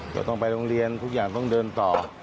ก็ต้องไปโรงเรียนทุกอย่างต้องเดินต่อ